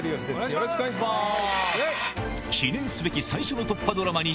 よろしくお願いします。